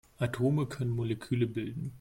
Atome können Moleküle bilden.